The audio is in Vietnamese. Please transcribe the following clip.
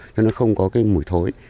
cho nên nó không có cái mùi thối